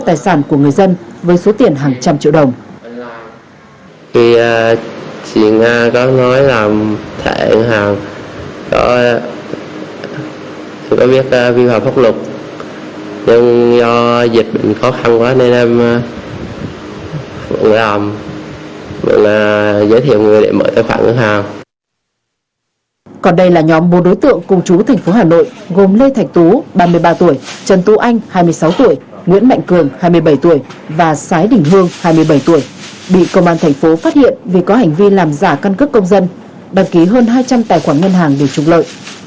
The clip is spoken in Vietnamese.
hai mươi bảy tuổi và sái đỉnh hương hai mươi bảy tuổi bị công an thành phố phát hiện vì có hành vi làm giả căn cước công dân đăng ký hơn hai trăm linh tài khoản ngân hàng để trục lợi